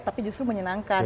tapi justru menyenangkan